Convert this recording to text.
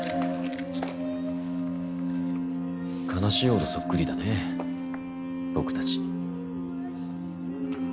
悲しいほどそっくりだね僕たち。